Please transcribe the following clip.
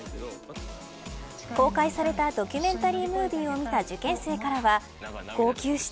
公開されたドキュメンタリームービーを見た受験生からは号泣した。